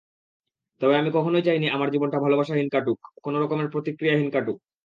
তবে আমি কখনোই চাইনি আমার জীবনটা ভালোবাসাহীন কাটুক, কোনো রকমের প্রতিক্রিয়াহীন কাটুক।